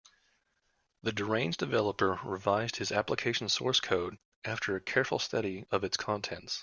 The deranged developer revised his application source code after a careful study of its contents.